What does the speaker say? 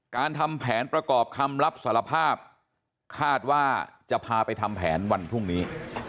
ทำแผนประกอบคำรับสารภาพคาดว่าจะพาไปทำแผนวันพรุ่งนี้